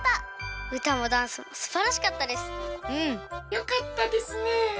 よかったですね。